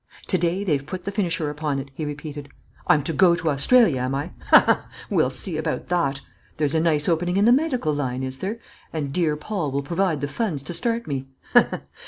"To day they've put the finisher upon it," he repeated. "I'm to go to Australia, am I? Ha! ha! we'll see about that. There's a nice opening in the medical line, is there? and dear Paul will provide the funds to start me! Ha! ha!